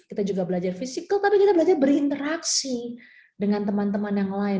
kita juga belajar fisikal tapi kita belajar berinteraksi dengan teman teman yang lain